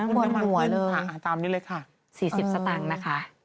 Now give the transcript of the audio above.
ควรหัวเลยคุณสูงมากขึ้นตามนี่เลยค่ะสี่สิบสตางค์นะคะ